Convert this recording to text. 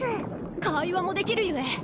会話もできるゆえ。